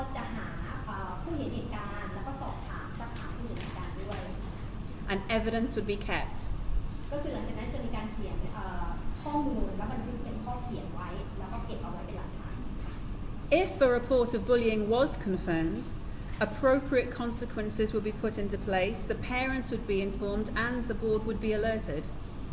เราจะแจ้งผู้ตอบแล้วเราก็จะต้องรายงานให้คณะความประกันผู้วิทยาศาสตร์